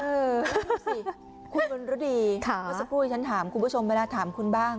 ดูสิคุณรุดีเมื่อสักครู่ที่ฉันถามคุณผู้ชมเวลาถามคุณบ้าง